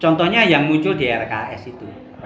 contohnya yang muncul di rks itu